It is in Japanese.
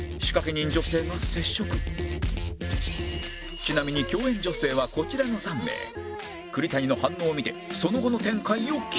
ちなみに共演女性はこちらの３名栗谷の反応を見てその後の展開を決める